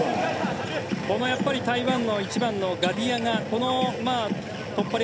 台湾の１番のガディアガが突破力